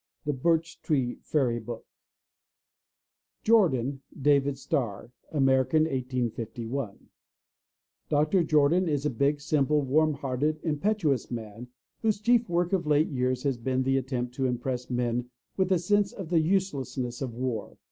The Birch Tree Fairy Book, 124 THE LATCH KEY JORDAN, DAVID STARR (American, 1851 ) Dr. Jordan is a big, simple, warm hearted, impetuous man whose chief work of late years has been the attempt to impress men with a sense of the uselessness of war.